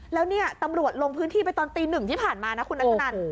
แล้วเนี่ยตำรวจลงพื้นที่ไปตอนตีหนึ่งที่ผ่านมานะคุณนัทธนัน